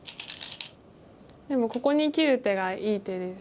でもここに切る手がいい手です。